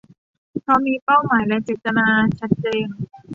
เพราะมีเป้าหมายและเจตนาชัดเจน